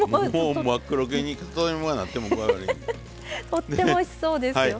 とってもおいしそうですよ。